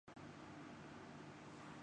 اس کی کوئی زیادہ حقیقت نہ ہو گی۔